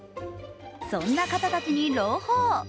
そんな方たちに朗報。